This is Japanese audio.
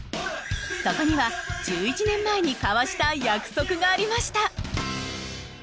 そこには１１年前に交わした約束がありました。